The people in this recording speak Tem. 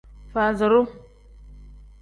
Faaziru.